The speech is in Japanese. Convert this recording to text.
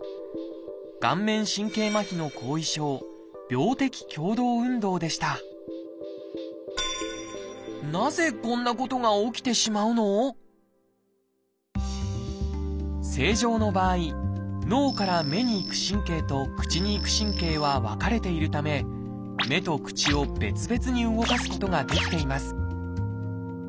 顔面神経麻痺の後遺症「病的共同運動」でした正常の場合脳から目に行く神経と口に行く神経は分かれているため目と口を別々に動かすことができています